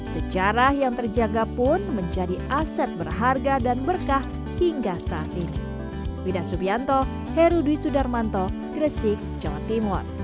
sejarah yang terjaga pun menjadi aset berharga dan berkah hingga saat ini